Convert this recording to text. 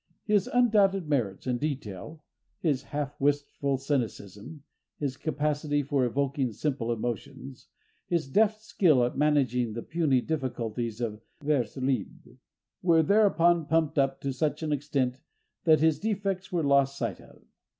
His undoubted merits in detail—his half wistful cynicism, his capacity for evoking simple emotions, his deft skill at managing the puny difficulties of vers libre—were thereupon pumped up to such an extent that his defects were lost sight of.